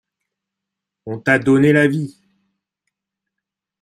On t'a donné la vie.